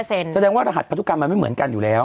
แสดงว่ารหัสพันธุกรรมมันไม่เหมือนกันอยู่แล้ว